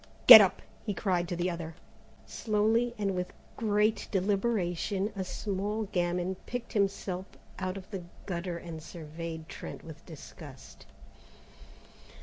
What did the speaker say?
"Get up," he cried to the other. Slowly and with great deliberation, a small gamin picked himself out of the gutter and surveyed Trent with disgust.